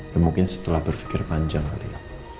ya mungkin setelah berpikir panjang kali ya